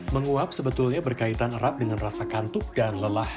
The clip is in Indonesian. menguap sebetulnya berkaitan erat dengan rasa kantuk dan lelah